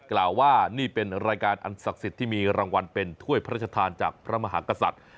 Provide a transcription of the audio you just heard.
กล่าวว่านี่เป็นรายการอันศักดิ์สิทธิ์ที่มีรางวัลเป็นถ้วยพระราชทานจากพระมหากษัตริย์